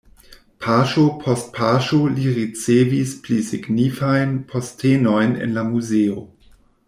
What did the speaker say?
Paŝo post paŝo li ricevis pli signifajn postenojn en la muzeo.